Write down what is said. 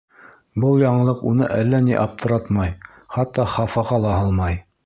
Был яңылыҡ уны әллә ни аптыратмай, хатта хафаға ла һалмай.